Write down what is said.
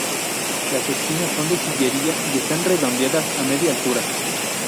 Las esquinas son de sillería y están redondeadas a media altura.